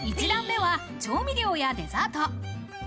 １段目は調味料やデザート。